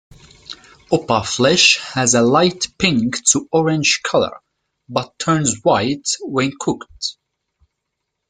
Opah flesh has a light-pink to orange color, but turns white when cooked.